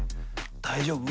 大丈夫？